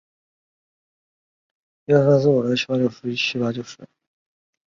在许多的案例中记载有这种疾病。